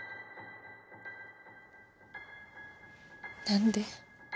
何で？